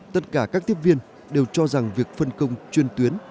tất cả các tiếp viên đều cho rằng việc phân công chuyên tuyến